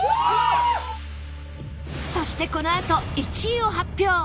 そしてこのあと１位を発表